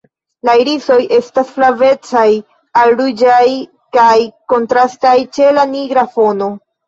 La irisoj estas flavecaj al ruĝaj kaj kontrastaj ĉe la nigra fono.